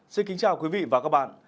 xin kính chào quý vị và các bạn